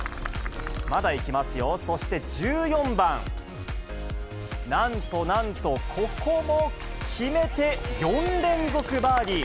まだいきますよ、そして１４番、なんとなんとここも決めて、４連続バーディー。